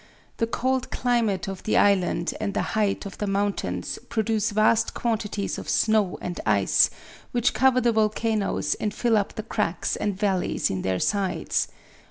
The cold climate of the island and the height of the mountains produce vast quantities of snow and ice, which cover the volcanoes and fill up the cracks and valleys in their sides.